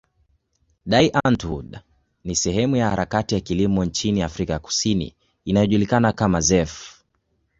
Die Antwoord ni sehemu ya harakati ya kilimo nchini Afrika Kusini inayojulikana kama zef.